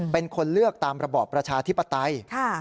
เป็นคนเลือกตามระบอบประชาธิปไตย